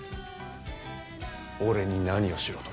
俺に何をしろと？